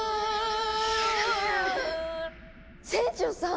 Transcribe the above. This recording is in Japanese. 船長さん！